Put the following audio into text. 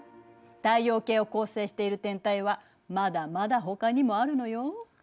太陽系を構成している天体はまだまだほかにもあるのよ。